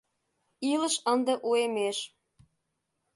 Илыш ынде уэмеш!..